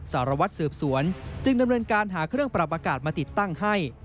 สารวัตรสืบสวนจึงดำเนินการหาเครื่องปรับอากาศมาติดตั้งให้